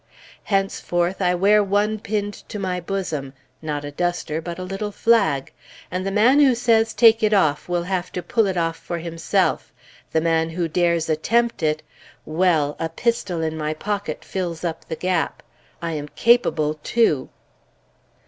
Henceforth, I wear one pinned to my bosom not a duster, but a little flag; the man who says take it off will have to pull it off for himself; the man who dares attempt it well! a pistol in my pocket fills up the gap. I am capable, too.